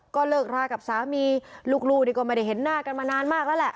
ก็เลิกรากับสามีลูกนี่ก็ไม่ได้เห็นหน้ากันมานานมากแล้วแหละ